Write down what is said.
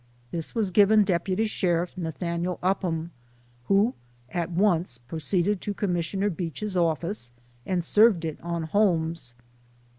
This was given Deputy Sheriff Nathaniel Upham, who at once pro ceeded to Commissioner Beach's office, and served it on Holmes.